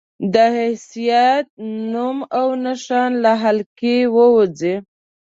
د حيثيت، نوم او نښان له حلقې ووځي